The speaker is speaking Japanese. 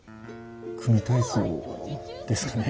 組み体操ですかね？